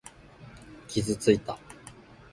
傷ついた。